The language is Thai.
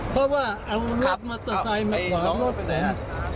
เพราะว่าเอารถมอเตอร์ไซน์มากรอดรถผม